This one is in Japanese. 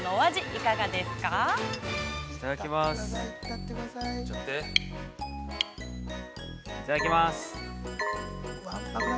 ◆いただきます。